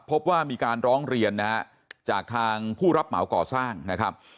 พบว่ามีการร้องเรียนนะฮะจากทางผู้รับเหมาก่อสร้างนะครับ